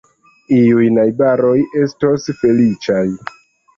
Iuj najbaroj estos feliĉaj.